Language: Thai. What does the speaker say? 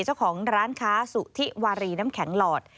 เจ้าของร้านค้าสุธิวารีน้ำแข็งหลอด